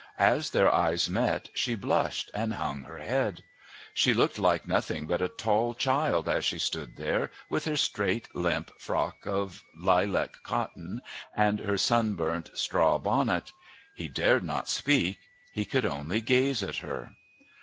As their eyes met, she blushed and hung her head. She looked like nothing but a tall child as she stood there, with her straight limp frock of lilac cotton and her sunburnt straw bonnet. He dared not speak; he could only gaze at her.